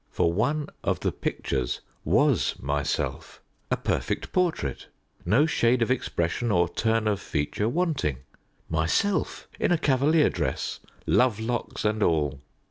For one of the pictures was myself a perfect portrait no shade of expression or turn of feature wanting. Myself in a cavalier dress, "love locks and all!"